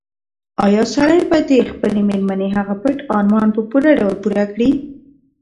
ایا سړی به د خپلې مېرمنې هغه پټ ارمان په پوره ډول پوره کړي؟